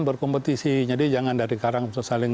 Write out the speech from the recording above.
berkompetisi jadi jangan dari sekarang